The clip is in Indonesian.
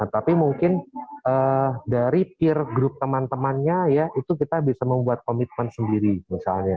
tapi mungkin dari peer group teman temannya ya itu kita bisa membuat komitmen sendiri misalnya